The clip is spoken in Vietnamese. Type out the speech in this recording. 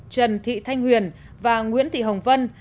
trần thị thanh huyền và nguyễn thị hồng vân